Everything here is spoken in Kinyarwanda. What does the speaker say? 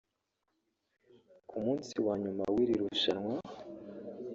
Ku munsi wa nyuma w’iri rushanwa